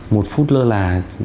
một phút lơ là